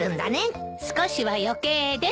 少しは余計です。